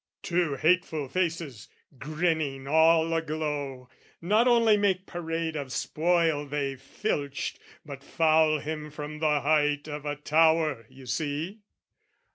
Two hateful faces, grinning all a glow, Not only make parade of spoil they filched, But foul him from the height of a tower, you see.